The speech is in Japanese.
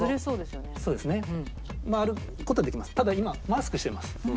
ただ今マスクしてます。